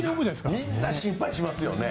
みんな心配しますよね。